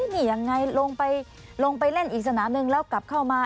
นี่ยังไงลงไปเล่นอีกสนามหนึ่งแล้วกลับเข้ามา